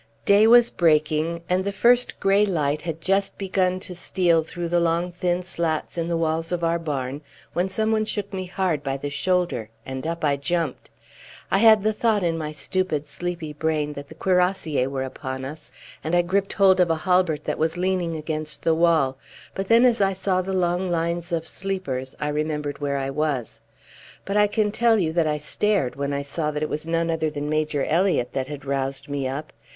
Day was breaking, and the first grey light had just begun to steal through the long thin slits in the walls of our barn, when someone shook me hard by the shoulder, and up I jumped. I had the thought in my stupid, sleepy brain that the cuirassiers were upon us, and I gripped hold of a halbert that was leaning against the wall; but then, as I saw the long lines of sleepers, I remembered where I was. But I can tell you that I stared when I saw that it was none other than Major Elliott that had roused me up.